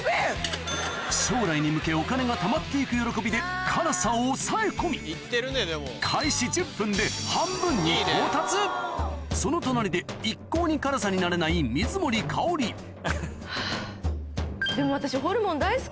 将来に向けお金がたまって行く喜びで辛さを抑え込みに到達その隣で一向に辛さに慣れない水森かおりでも私。